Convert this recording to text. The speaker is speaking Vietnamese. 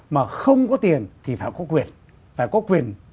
mà không có tiền thì phải có quyền